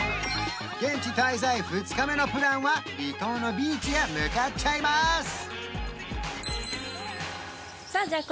現地滞在２日目のプランは離島のビーチへ向かっちゃいますさあじゃあ